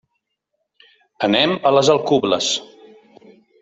Anem a les Alcubles.